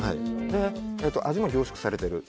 味も凝縮されている。